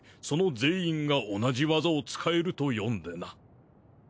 その全員が同じ技を使えると読んでな。